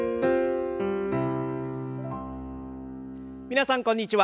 皆さんこんにちは。